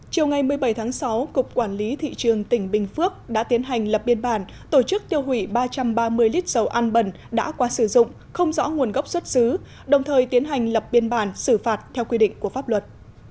chiều ngày một mươi bảy tháng sáu cục quản lý thị trường tỉnh bình phước đã tiến hành lập biên bản tổ chức tiêu hủy ba trăm ba mươi lít dầu ăn bẩn đã qua sử dụng không rõ nguồn gốc xuất xứ đồng thời tiến hành lập biên bản xử phạt theo quy định của pháp luật